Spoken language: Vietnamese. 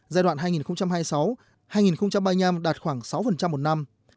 giai đoạn hai nghìn hai mươi sáu hai nghìn ba mươi năm đạt khoảng sáu một năm